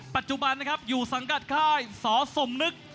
ปัจจุบันนะครับอยู่สังกัดค่ายสอสมนึก